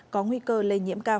có nguy cơ lây nhiễm cao